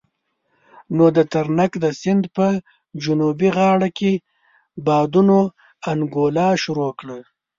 نو د ترنک د سيند په جنوبي غاړو کې بادونو انګولا شروع کړه.